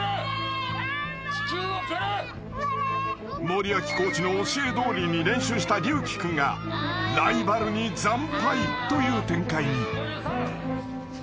［森脇コーチの教えどおりに練習した龍樹君がライバルに惨敗という展開に］